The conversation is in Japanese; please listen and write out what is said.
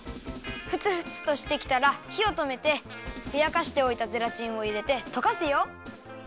ふつふつとしてきたらひをとめてふやかしておいたゼラチンをいれてとかすよ。